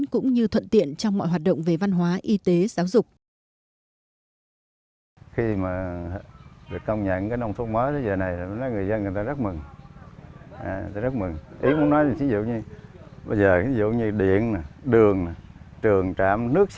cũng như thuận tiện trong mọi hoạt động về văn hóa y tế giáo dục